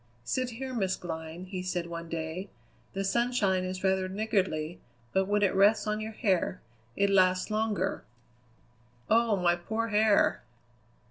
"Sit there, Miss Glynn," he said one day. "The sunshine is rather niggardly, but when it rests on your hair it lasts longer." "Oh, my poor hair!"